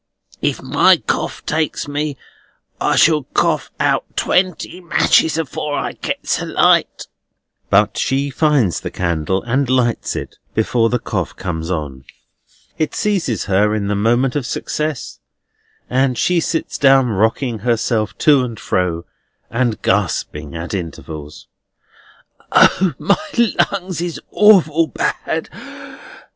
If my cough takes me, I shall cough out twenty matches afore I gets a light." But she finds the candle, and lights it, before the cough comes on. It seizes her in the moment of success, and she sits down rocking herself to and fro, and gasping at intervals: "O, my lungs is awful bad!